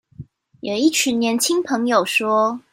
有一群年輕朋友說